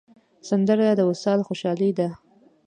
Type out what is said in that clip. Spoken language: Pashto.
سندره د وصال خوشحالي ده